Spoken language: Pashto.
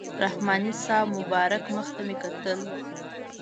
رحماني صاحب مبارک مخ ته مې کتل.